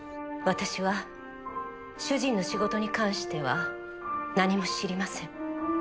私は主人の仕事に関しては何も知りません。